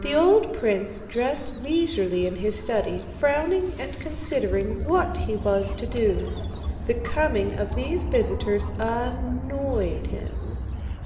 The old prince dressed leisurely in his study, frowning and considering what he was to do. The coming of these visitors annoyed him.